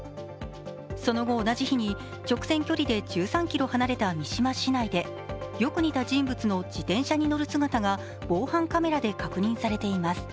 その後、同じ日に直線距離で１３ｋｍ離れた三島市内でよく似た人物の自転車に乗る姿が防犯カメラで確認されています。